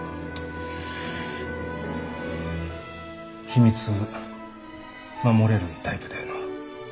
秘密守れるタイプだよな？